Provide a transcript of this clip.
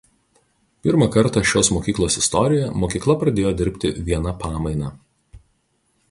Pirmą kartą šios mokyklos istorijoje mokykla pradėjo dirbti viena pamaina.